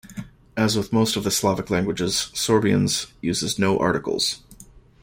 As with most of the Slavic languages, Sorbians uses no articles.